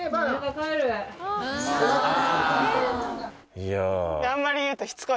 いや。